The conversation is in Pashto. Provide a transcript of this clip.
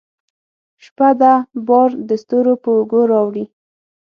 شپه ده بار دستورو په اوږو راوړي